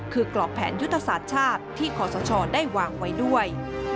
คือกรอบแผนยุทธศาสตร์ชาติที่ขอสชได้วางไว้ด้วย